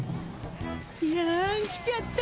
いやん来ちゃった。